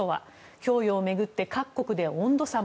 供与を巡って各国で温度差も。